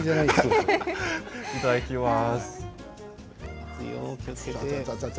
いただきます。